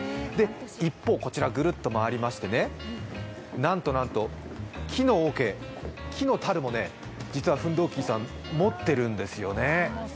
一方、こちらぐるっと回りましてなんとなんと、木のおけ、木のたるも実はフンドーキンさん、持っているんですよね。